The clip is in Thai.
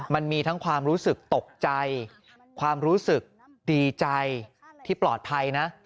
มันมีทั้งความรู้สึกตกใจความรู้สึกดีใจที่ปลอดภัยนะ